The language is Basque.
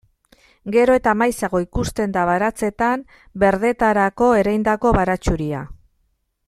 Gero eta maizago ikusten da baratzeetan berdetarako ereindako baratxuria.